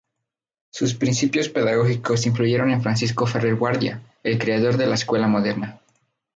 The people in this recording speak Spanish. Sus principios pedagógicos influyeron en Francisco Ferrer Guardia, el creador de la Escuela Moderna.